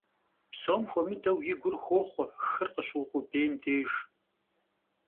Псом хуэмыдэу и гур хохъуэ хыр къыщыукъубейм деж.